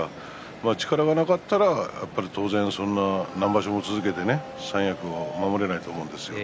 力がなかったら当然、そんな何場所も続けて三役を守ることができないと思うんです。